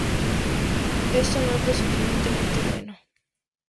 Esto no es lo suficientemente bueno.